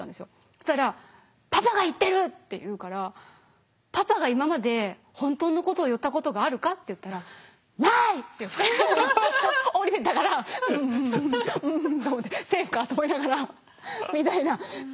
そしたら「パパが言ってる！」って言うから「パパが今まで本当のことを言ったことがあるか？」って言ったら「ない！」って言って下りていったからうんうんと思ってセーフかと思いながらみたいな感じはありましたね。